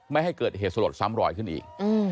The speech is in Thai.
ไม่ให้เกิดเหตุสลดซ้ำรอยขึ้นอีก